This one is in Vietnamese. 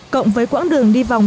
cộng với quãng đường đi vòng